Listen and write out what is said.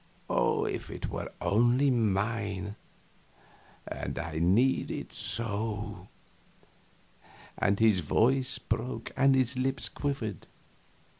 if it were only mine and I need it so!" and his voice broke and his lips quivered.